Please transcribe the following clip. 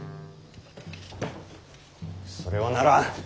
それはならん。